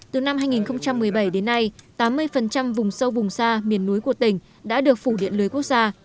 từ năm hai nghìn một mươi bảy đến nay tám mươi vùng sâu vùng xa miền núi của tỉnh đã được phủ điện lưới quốc gia